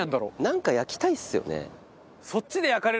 なんか焼きたいっすよね。